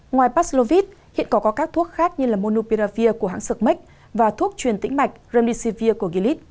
ngoài paxlovit hiện có các thuốc khác như monopiravir của hãng sực mếch và thuốc truyền tĩnh mạch remdesivir của gillis